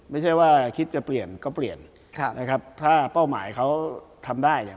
ไม่ใช่ว่าคิดจะเปลี่ยนก็เปลี่ยนค่ะนะครับถ้าเป้าหมายเขาทำได้อย่าง